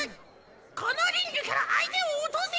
このリングから相手を落とせ！